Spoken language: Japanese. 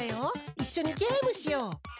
いっしょにゲームしよう！